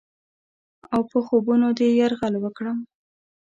اوپه خوبونو دې یرغل وکړم؟